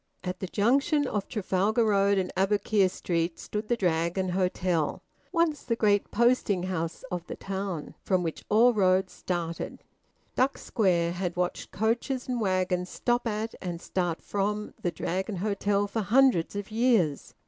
At the junction of Trafalgar Road and Aboukir Street stood the Dragon Hotel, once the great posting house of the town, from which all roads started. Duck Square had watched coaches and waggons stop at and start from the Dragon Hotel for hundreds of years.